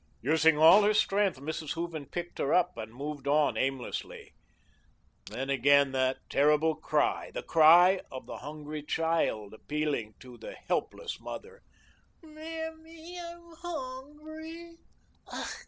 Using all her strength, Mrs. Hooven picked her up and moved on aimlessly. Then again that terrible cry, the cry of the hungry child appealing to the helpless mother: "Mammy, I'm hungry."